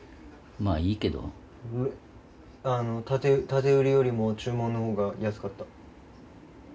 建て売りよりも注文のほうが安かった。